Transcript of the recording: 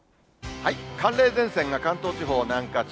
寒冷前線が関東地方を南下中。